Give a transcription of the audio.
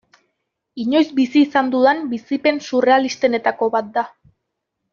Inoiz bizi izan dudan bizipen surrealistenetako bat da.